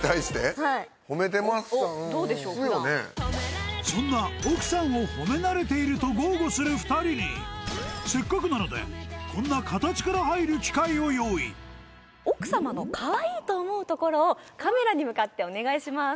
おっどうでしょう普段そんな奥さんを褒め慣れていると豪語する２人にせっかくなのでこんな形から入る機会を用意奥さまのかわいいと思うところをカメラに向かってお願いします